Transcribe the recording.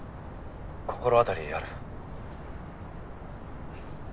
心当たりある？